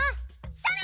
それ！